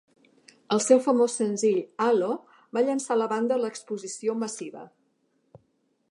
El seu famós senzill, "Halo", va llençar la banda a l'exposició massiva.